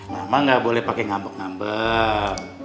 mama gak boleh pake ngambek ngambek